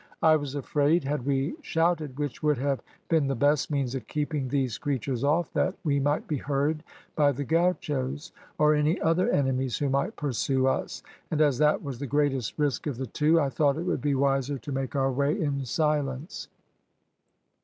I was afraid, had we shouted, which would have been the best means of keeping these creatures off, that we might be heard by the gauchos or any other enemies who might pursue us, and as that was the greatest risk of the two, I thought it would be wiser to make our way in silence.